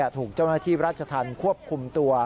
ถูกเจ้าหน้าที่ราชธรรมควบคุมตัว